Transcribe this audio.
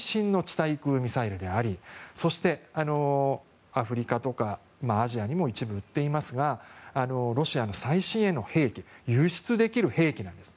対空ミサイルでありアフリカとかアジアにも一部行っていますがロシアの最新鋭の輸出できる兵器なんです。